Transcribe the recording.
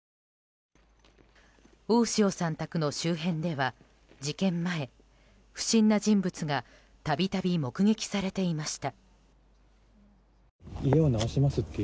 大塩さん宅の周辺では事件前不審な人物がたびたび目撃されていました。